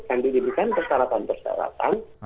kan diberikan persyaratan persyaratan